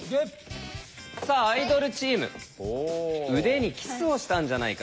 さあアイドルチーム「腕にキスをしたんじゃないか」。